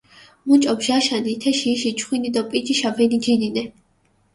მუჭო ბჟაშანი, თეში იში ჩხვინდი დო პიჯიშა ვენიჯინინე.